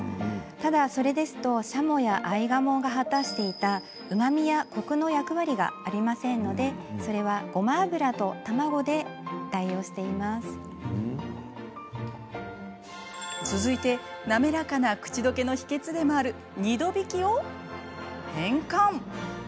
ただ、それですとシャモや合鴨が果たしていたうまみやコクの役割が果たせませんので、それはごま油と卵を入れることで続いて、滑らかな口溶けの秘けつでもある２度びきを変換。